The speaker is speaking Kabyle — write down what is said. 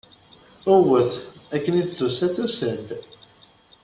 Ewwet! Akken i d-tusa, tusa-d.